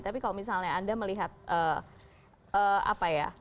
tapi kalau misalnya anda melihat apa ya